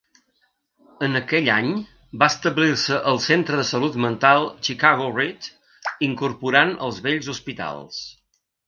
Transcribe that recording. En aquell any va establir-se el Centre de Salut Mental Chicago-Read, incorporant els vells hospitals.